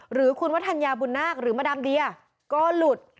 หรือคุณวัฒนยาบุญนาคหรือมาดามเดียก็หลุด